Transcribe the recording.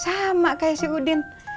sama kayak si udin